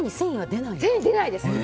出ないです。